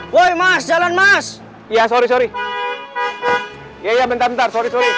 woi mas jalan mas iya sorry sorry iya bentar bentar